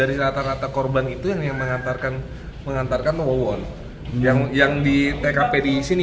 rata rata korban itu yang mengantarkan mengantarkan wawon yang yang di tkp di sini